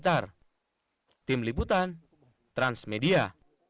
tim liputan transmedia